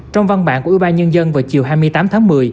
trong văn bản của ưu ba nhân dân vào chiều hai mươi tám tháng một mươi